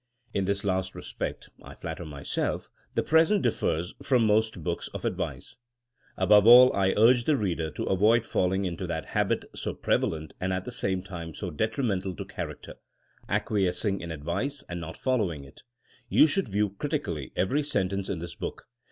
In this last respect, I flatter myself, the present differs from most books of advice. Above all I urge the reader to avoid falling into that habit so prevalent and at the same time so detrimental to character :— acquiescing in ad vice and not following it. You should view critically every sentence in this book.